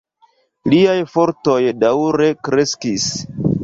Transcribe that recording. Liaj fortoj daŭre kreskis.